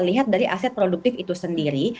lihat dari aset produktif itu sendiri